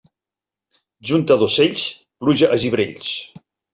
Junta d'ocells, pluja a gibrells.